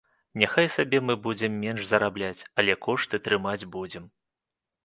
Няхай сабе, мы будзем менш зарабляць, але кошты трымаць будзем.